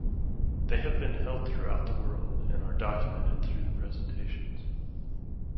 They have been held throughout the world, and are documented through the presentations.